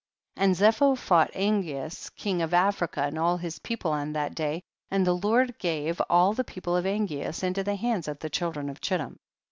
27. And Zepho fought Angeas king of Africa and all his people on that day, and the Lord gave all the people of Angeas into the hands of the children of Chittim.